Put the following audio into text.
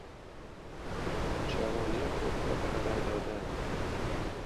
جوانی خود را به هدر دادن